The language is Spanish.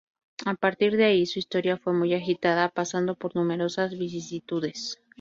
A partir de ahí su historia fue muy agitada, pasando por numerosas vicisitudes.